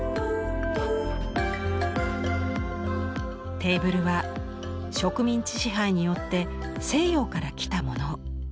テーブルは植民地支配によって西洋から来たもの。